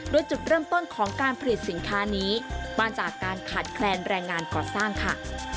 โดยจุดเริ่มต้นของการผลิตสินค้านี้มาจากการขาดแคลนแรงงานก่อสร้างค่ะ